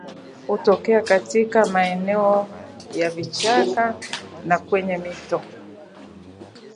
Hutokea katika maeneo ya vichaka na kwenye mito